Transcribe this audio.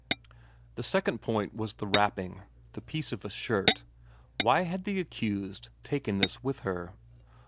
The second point was the wrapping, the piece of a shirt why had the accused taken this with her?